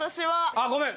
あごめん。